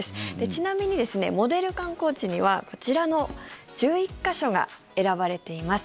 ちなみに、モデル観光地にはこちらの１１か所が選ばれています。